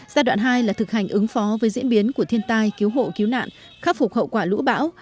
giai đoạn hai là thực hành ứng phó với diễn biến của thiên tai cứu hộ cứu nạn khắc phục hậu quả lũ bão